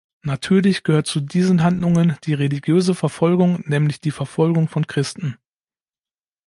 Natürlich gehört zu diesen Handlungen die religiöse Verfolgung, nämlich die Verfolgung von Christen.